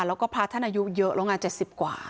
แล้วก็พระท่านอายุเยอะแล้วไง๗๐กว่า